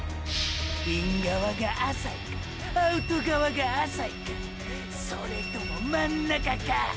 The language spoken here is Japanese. イン側が浅いかアウト側が浅いかそれとも真ん中か。